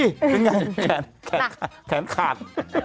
ยังไงแขนขาด